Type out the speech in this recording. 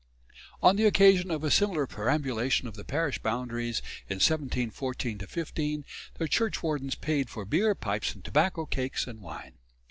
On the occasion of a similar perambulation of the parish boundaries in 1714 15 the churchwardens paid for beer, pipes and tobacco, cakes and wine.